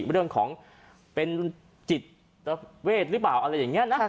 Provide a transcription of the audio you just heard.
ว่าเรื่องของเป็นจิตเวทย์หรือเปล่า